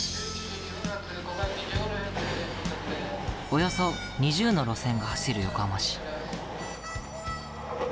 およそ２０の路線が走る横浜市。